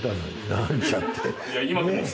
なんちゃって。